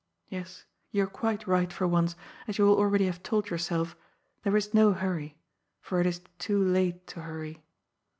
Yes, you are quite right, for once, as you will already have told yourself, there is no hurry for it is too late to hurry.